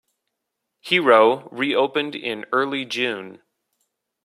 Hero reopened in early June.